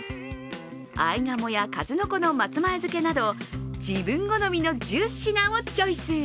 あいがもや数の子の松前漬けなど自分好みの１０品をチョイス。